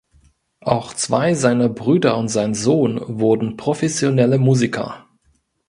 Auch zwei seiner Brüder und sein Sohn wurden professionelle Musiker.